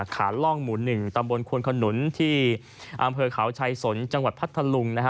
ขาล่องหมู่๑ตำบลควนขนุนที่อำเภอเขาชัยสนจังหวัดพัทธลุงนะฮะ